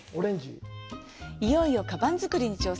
いよいよ、かばん作りに挑戦。